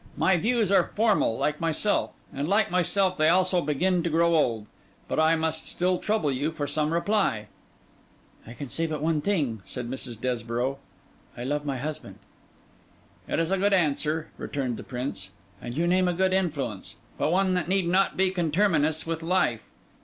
My views are formal like myself; and like myself, they also begin to grow old. But I must still trouble you for some reply.' 'I can say but one thing,' said Mrs. Desborough: 'I love my husband.' 'It is a good answer,' returned the Prince; 'and you name a good influence, but one that need not be conterminous with life.